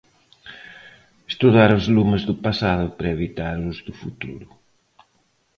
'Estudar os lumes do pasado para evitar os do futuro'.